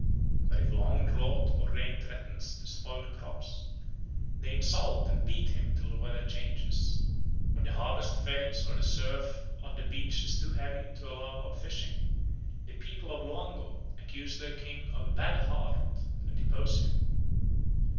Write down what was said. But if long drought or rain threatens to spoil the crops, they insult and beat him till the weather changes. When the harvest fails or the surf on the coast is too heavy to allow of fishing, the people of Loango accuse their king of a "bad heart" and depose him.